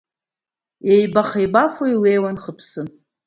Иеибахеибафо илеиуан Хыԥсы.